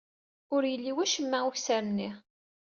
Ur yelli wacemma ukessar-nni.